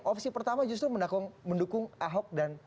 opsi pertama justru mendukung ahok dan